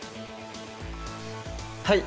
はい。